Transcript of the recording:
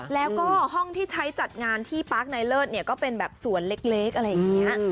แล้วก็ห้องที่ใช้จัดงานที่ปาร์คในเลิศเนี่ยก็เป็นแบบสวนเล็กอะไรอย่างนี้